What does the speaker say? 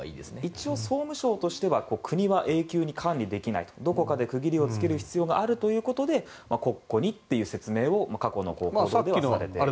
一応、総務省としては国は永久に管理できないどこかで区切りをつける必要があるということで国庫にという説明を過去の広報ではされています。